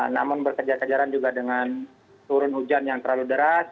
namun berkejar kejaran juga dengan turun hujan yang terlalu deras